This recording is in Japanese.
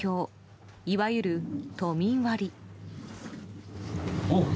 いわゆる都民割。